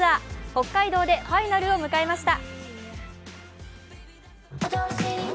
北海道でファイナルを迎えました。